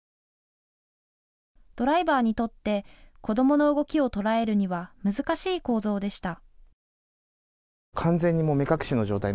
ドライバーにとって子どもの動きを捉えるには難しい構造でした。